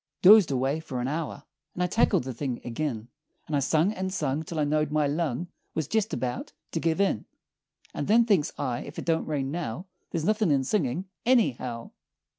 "Dozed away fer an hour, And I tackled the thing agin; And I sung, and sung, Till I knowed my lung Was jest about to give in; And then, thinks I, ef it don't rain now, There're nothin' in singin' anyhow.